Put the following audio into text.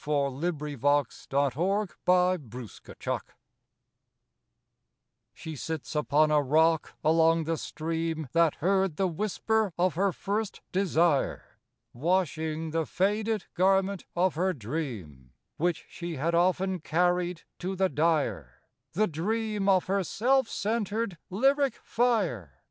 57 THE ROAD OF MAKE BELIEVE 1 She sits upon a rock along the stream That heard the whisper of her first Desire, Washing the faded garment of her Dream, Which she had often carried to the Dyer— The Dream of her self centred lyric fire.